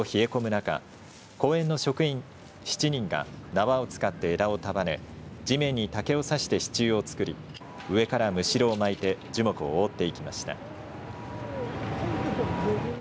中公園の職員７人が縄を使って枝を束ね地面に竹をさして支柱を作り上からむしろを巻いて樹木を覆って行きました。